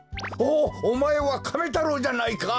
おおまえはカメ太郎じゃないか！